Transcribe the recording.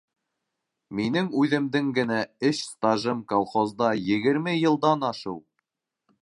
Минең үҙемдең генә эш стажым колхозда егерме йылдан ашыу!